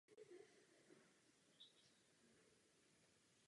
Souběh s ní trvá po celé zbylé délce toku.